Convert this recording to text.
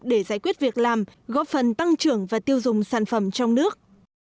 để giải quyết việc làm góp phần tăng trưởng và tiêu dùng sản phẩm trong nước